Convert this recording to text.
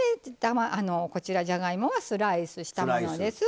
こちらじゃがいもはスライスしたものです。